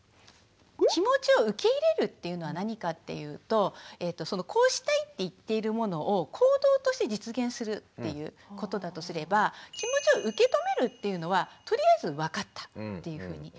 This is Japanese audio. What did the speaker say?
気持ちを受け入れるっていうのは何かっていうとこうしたいって言っているものを行動として実現するっていうことだとすれば気持ちを受け止めるっていうのはとりあえず「わかった」っていうふうに言うこと。